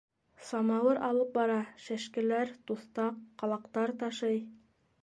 Самауыр алып бара, шәшкеләр, туҫтаҡ, ҡалаҡтар ташый.